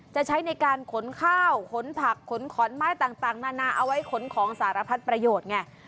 ใช้ในการขนข้าวขนผักขนขอนไม้ต่างนานาเอาไว้ขนของสารพัดประโยชน์ไง